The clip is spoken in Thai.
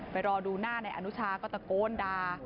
รอดูหน้านายอนุชาก็ตะโกนด่า